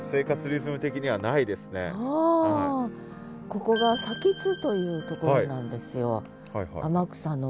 ここが津というところなんですよ天草の。